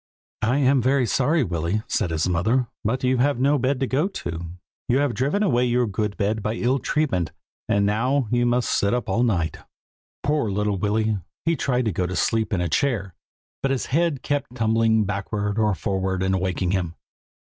'I am very sorry, Willy,' said his mother; 'but you have no bed to go to. You have driven away your good bed by ill treatment, and now you must sit up all night.' "Poor little Willy! he tried to go to sleep in a chair, but his head kept tumbling backward or forward and waking him.